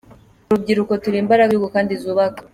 Urubyiruko turi imbaraga z’igihugu kandi zubaka.